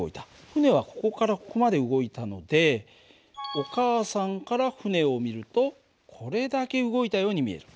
船はここからここまで動いたのでお母さんから船を見るとこれだけ動いたように見える。